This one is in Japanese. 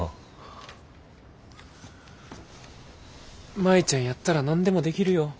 舞ちゃんやったら何でもできるよ。